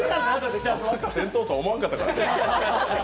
先頭とは思わんかったから。